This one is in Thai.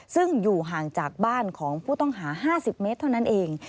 ซึ่งอยู่ห่างจากบ้านของผู้ต้องหา๕๐เมตรเท่านั้นเอง